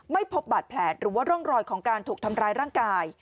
ไม่พบบาดแผลหรือว่าร่องรอยของการถูกทำร้ายร่างกาย